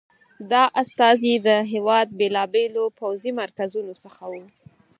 دا استازي د هېواد بېلابېلو پوځي مرکزونو څخه وو.